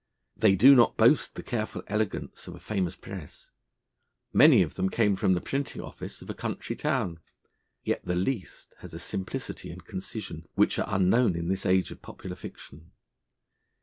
They do not boast the careful elegance of a famous press: many of them came from the printing office of a country town: yet the least has a simplicity and concision, which are unknown in this age of popular fiction.